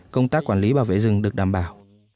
công tác quản lý bảo vệ rừng được đảm bảo